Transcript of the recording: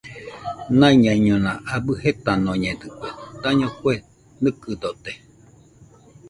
Naiñaiñona abɨ jetanoñedɨkue, daño kue nɨkɨdote